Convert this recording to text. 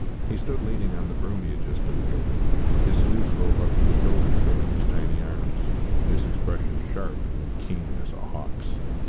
He stood leaning on the broom he had just been wielding, his sleeves rolled up to the shoulder showing his tiny arms; his expression sharp and keen as a hawk's.